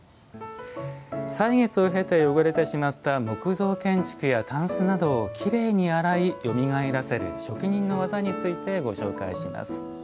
歳月を経て汚れてしまった木造建築やたんすなどをきれいに洗いよみがえらせる職人の技についてご紹介します。